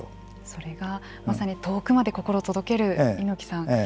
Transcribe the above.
それがまさに遠くまで心を届ける猪木さん